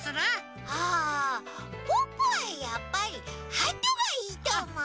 あポッポはやっぱりハトがいいとおもう！